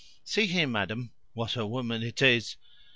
"See here, madam. (What a woman it is!)